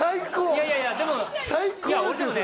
いやいやいやでも最高ですね